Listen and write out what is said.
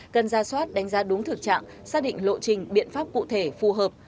cần ra soát đánh giá đúng thực trạng xác định lộ trình biện pháp cụ thể phù hợp